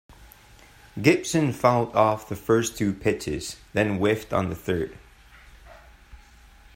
Gibson fouled off the first two pitches, then whiffed on the third.